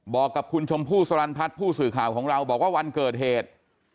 บอกกับคุณชมพู่สรรพัฒน์ผู้สื่อข่าวของเราบอกว่าวันเกิดเหตุ